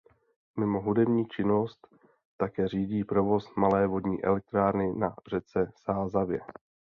Mimo hudební činnost také řídí provoz malé vodní elektrárny na řece Sázavě.